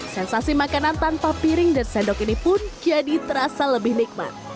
sensasi makanan tanpa piring dan sendok ini pun jadi terasa lebih nikmat